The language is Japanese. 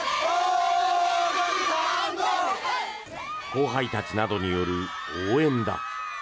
後輩たちなどによる応援だ。